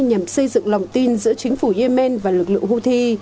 nhằm xây dựng lòng tin giữa chính phủ yemen và lực lượng houthi